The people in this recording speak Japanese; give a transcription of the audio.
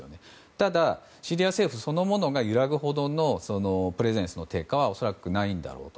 ただ、シリア政府そのものが揺らぐほどの低下は恐らく、ないんだろうと。